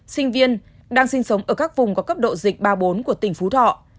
sinh viên đang sinh sống ở các vùng có cấp độ dịch ba bốn của tỉnh phú thọ